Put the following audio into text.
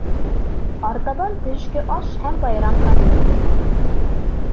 Артабан төшкө аш һәм байрам концерты булды.